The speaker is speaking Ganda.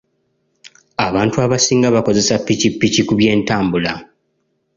Abantu abasinga bakozesa ppikipiki ku by'entambula.